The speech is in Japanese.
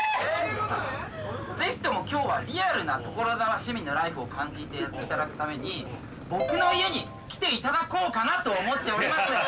ぜひとも今日はリアルな所沢市民のライフを感じていただくために僕の家に来ていただこうかなと思っております